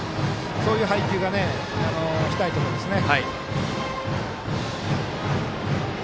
そういう配球がしたいところですね。